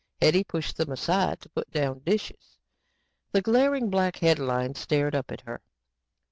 Hetty pushed them aside to put down dishes. The glaring black headlines stared up at her.